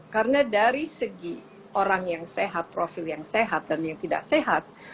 karena dari segi orang yang sehat profil yang sehat dan yang tidak sehat